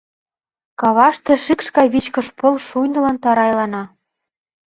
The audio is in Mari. Каваште шикш гай вичкыж пыл шуйнылын тарайлана.